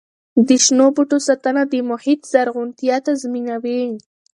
د شنو بوټو ساتنه د محیط زرغونتیا تضمینوي.